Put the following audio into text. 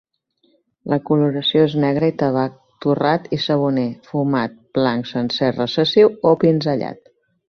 La coloració és negra i tabac, torrat i saboner, fumat, blanc sencer recessiu o pinzellat.